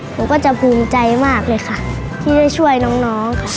หนูก็จะภูมิใจมากเลยค่ะที่ได้ช่วยน้องค่ะ